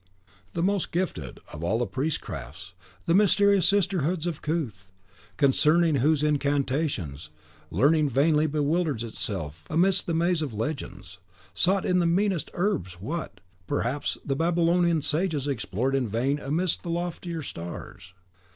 The most gifted of all the Priestcrafts, the mysterious sisterhoods of Cuth, concerning whose incantations Learning vainly bewilders itself amidst the maze of legends, sought in the meanest herbs what, perhaps, the Babylonian Sages explored in vain amidst the loftiest stars.